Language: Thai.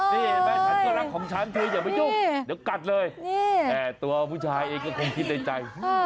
นี่แม่ฉันก็รักของฉันอย่ามายุ่งเดี๋ยวกัดเลยนี่แม่ตัวผู้ชายเองก็คงคิดในใจ